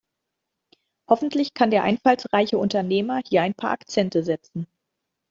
Hoffentlich kann der einfallsreiche Unternehmer hier ein paar Akzente setzen.